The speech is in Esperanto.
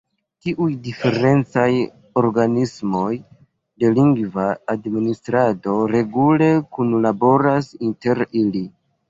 Tiuj diferencaj organismoj de lingva administrado regule kunlaboras inter ili.